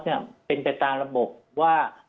เป็นไปตามระบบว่าเราจะมีการโทษกราฟว่า